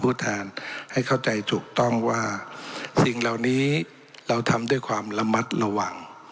แทนให้เข้าใจถูกต้องว่าสิ่งเหล่านี้เราทำด้วยความระมัดระวัง